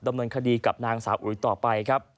กำเนินคดีกับนางสาอุ๋ยต่อไป